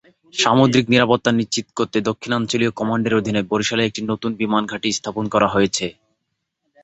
সামুদ্রিক নিরাপত্তা নিশ্চিত করতে দক্ষিণাঞ্চলীয় কমান্ডের অধীনে বরিশালে একটি নতুন বিমান ঘাঁটি স্থাপন করা হচ্ছে।